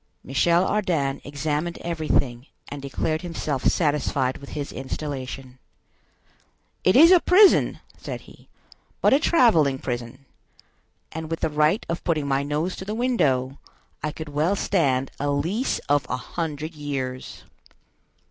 Michel Ardan examined everything, and declared himself satisfied with his installation. "It is a prison," said he, "but a traveling prison; and, with the right of putting my nose to the window, I could well stand a lease of a hundred years.